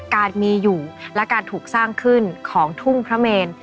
การมีอยู่และการถูกสร้างขึ้นของทุ่งพระเมน